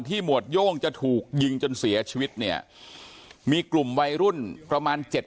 หมวดโย่งจะถูกยิงจนเสียชีวิตเนี่ยมีกลุ่มวัยรุ่นประมาณเจ็ด